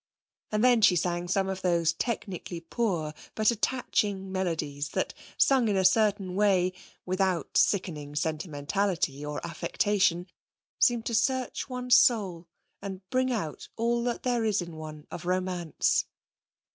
And then she sang some of those technically poor but attaching melodies that, sung in a certain way, without sickening sentimentality or affectation, seem to search one's soul and bring out all that there is in one of romance.